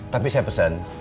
tapi saya pesen